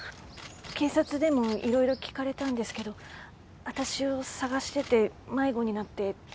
警察でもいろいろ聞かれたんですけど私を捜してて迷子になって排水溝に落ちたと。